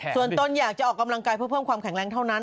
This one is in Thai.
ส่วนตนอยากจะออกกำลังกายเพื่อเพิ่มความแข็งแรงเท่านั้น